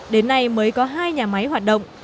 đến nay mới có hai nhà máy hoạt động